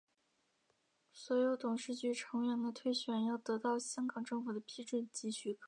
所有董事局成员的推选要得到香港政府的批准及许可。